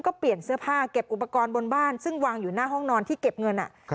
ก็เปลี่ยนเสื้อผ้าเก็บอุปกรณ์บนบ้านซึ่งวางอยู่หน้าห้องนอนที่เก็บเงิน